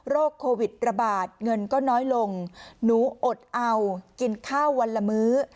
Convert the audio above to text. โควิดระบาดเงินก็น้อยลงหนูอดเอากินข้าววันละมื้อ